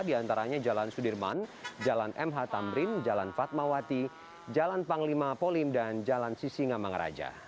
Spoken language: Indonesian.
di antaranya jalan sudirman jalan mh tamrin jalan fatmawati jalan panglima polim dan jalan sisingamang raja